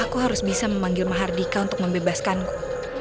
aku harus bisa memanggil mahardika untuk membebaskanku